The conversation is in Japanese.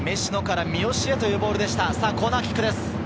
さぁコーナーキックです。